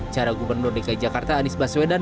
cara gubernur dki jakarta anies baswedan